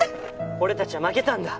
俺たちは負けたんだ。